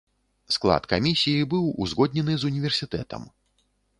Склад камісіі быў узгоднены з універсітэтам.